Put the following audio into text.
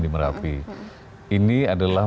di merapi ini adalah